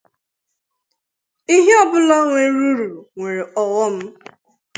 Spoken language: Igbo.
ihe ọbụna nwere uru nwere ọghọm